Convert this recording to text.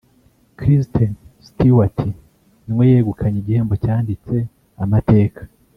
Kristen Stewart nwe yegukanye igihembo cyanditse amateka